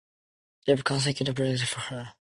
They were consecutive projects for her.